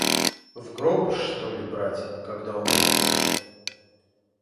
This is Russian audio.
В гроб, что ли, брать, когда умру?